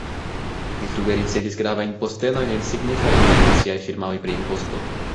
Li frue ricevis gravajn postenojn en signifaj internaciaj firmaoj pri imposto.